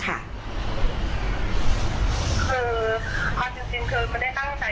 คือจริงคือมันไม่ได้ตั้งใจที่จะโทรนะคะ